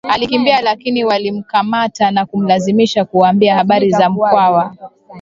Alikimbia lakini walimkamata na kumlazimisha kuwaambia habari za Mkwawa